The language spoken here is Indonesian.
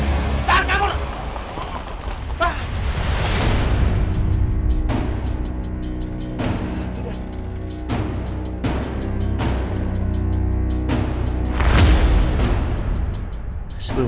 tidak ada yang bisa dihubungi dengan diri